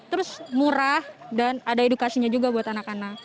terus murah dan ada edukasinya juga buat anak anak